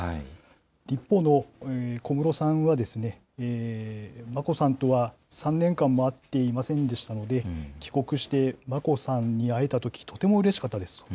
一方の小室さんはですね、眞子さんとは、３年間も会っていませんでしたので、帰国して眞子さんに会えたとき、とてもうれしかったですと。